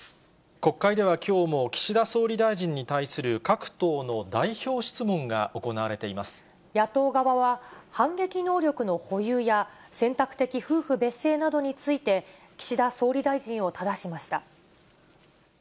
国会ではきょうも、岸田総理大臣に対する各党の代表質問が行われ野党側は、反撃能力の保有や、選択的夫婦別姓などについて、岸田総理大臣をただしました。